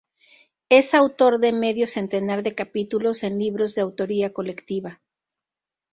Es autor de medio centenar de capítulos en libros de autoría colectiva.